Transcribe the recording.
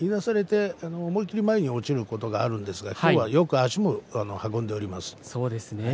思い切り前に落ちることもあるんですがきょうは足も、よく出ていました。